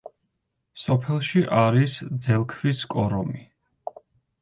სოფელში არის ძელქვის კორომი.